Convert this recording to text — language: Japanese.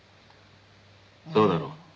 「そうだろう。